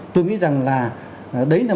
tôi nghĩ rằng là đấy là